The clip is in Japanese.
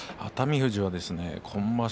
富士は今場所